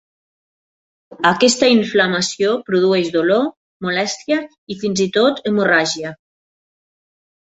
Aquesta inflamació produeix dolor, molèstia i fins i tot hemorràgia.